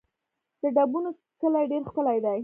د ډبونو کلی ډېر ښکلی دی